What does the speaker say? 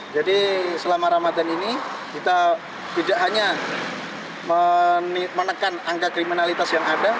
jadi selama ramadhan ini kita tidak hanya menekan angka kriminalitas yang ada